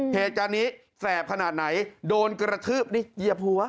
เหตุการณ์นี้แสบขนาดไหนโดนกระทืบนี่เหยียบหัว